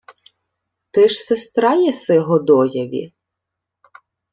— Ти ж сестра єси Годоєві?